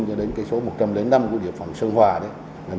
cho đến số một trăm linh năm của địa phòng sơn hòa đấy